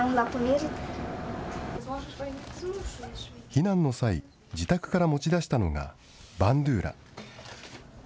避難の際、自宅から持ち出したのがバンドゥーラ。